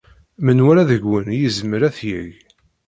Menwala deg-wen yezmer ad t-yeg.